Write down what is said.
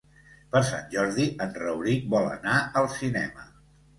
Per Sant Jordi en Rauric vol anar al cinema.